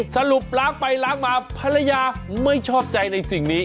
สรุปล้างไปล้างมาภรรยาไม่ชอบใจในสิ่งนี้